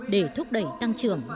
để thúc đẩy tăng trưởng